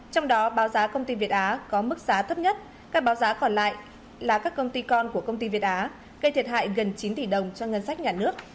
trong đó báo giá công ty việt á có mức giá thấp nhất các báo giá còn lại là các công ty con của công ty việt á gây thiệt hại gần chín tỷ đồng cho ngân sách nhà nước